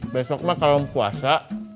besok mah kalau puasa